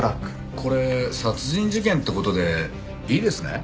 これ殺人事件って事でいいですね？